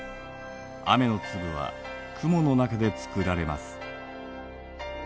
雨の粒は雲の中でつくられます。